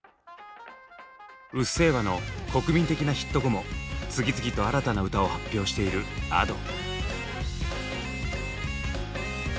「うっせぇわ」の国民的なヒット後も次々と新たな歌を発表しているＡｄｏ。